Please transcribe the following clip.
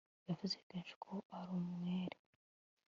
Yavuze kenshi ko ari umwere